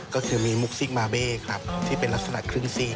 ก็คือมีมุกซิกมาเบ้ครับที่เป็นลักษณะครึ่งซีก